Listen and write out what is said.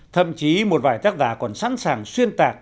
thậm chí một vài tác giả còn sẵn sàng xuyên tạc